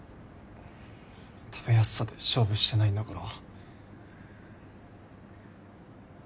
食べやすさで勝負してないんだから。